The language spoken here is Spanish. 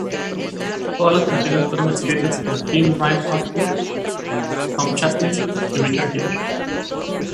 Todas las canciones fueron escritas por Tim Rice-Oxley, Tom Chaplin y Richard Hughes.